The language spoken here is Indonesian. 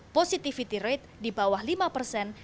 positivity rate di bawah lima persen